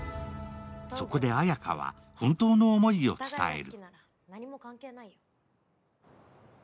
そこで綾華は本当の思いを伝える。